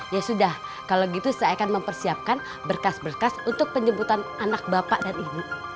ya sudah kalau gitu saya akan mempersiapkan berkas berkas untuk penjemputan anak bapak dan ibu